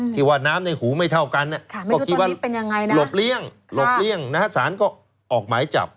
คิดว่าน้ำในหูไม่เท่ากันน่ะก็คิดว่าหลบเลี่ยงน้าศาลคิดว่าออกหมายจับ